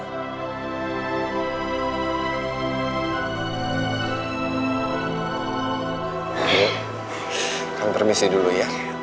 bening kamu permisi dulu ya